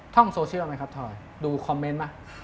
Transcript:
ท่องโซเชียลไหมครับทอยดูคอมเมนต์ไหม